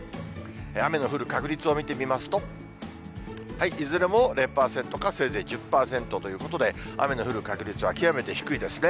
雨の降る確率を見てみますと、いずれも０％か、せいぜい１０％ということで、雨の降る確率は極めて低いですね。